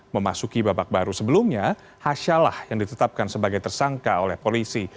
memasuki babak baru sebelumnya hasyalah yang ditetapkan sebagai tersangka oleh polisi